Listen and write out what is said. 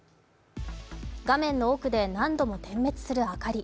画面の奥で何度も点滅する明かり。